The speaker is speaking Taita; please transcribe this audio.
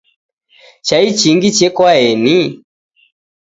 Chai chingi chekwaeni?